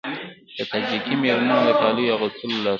د تاجیکي میرمنو د کالیو اغوستلو لارښود